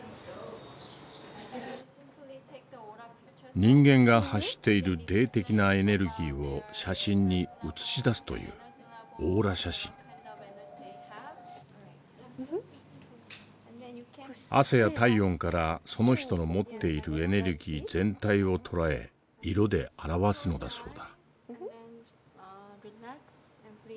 人間が発している霊的なエネルギーを写真に映し出すという汗や体温からその人の持っているエネルギー全体を捉え色で表すのだそうだ。